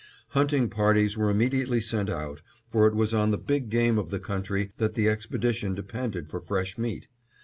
Hunting parties were immediately sent out, for it was on the big game of the country that the expedition depended for fresh meat.